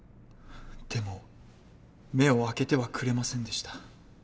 でも目を開けてはくれませんでした。